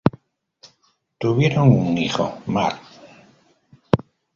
Tuvieron un hijo, Marc.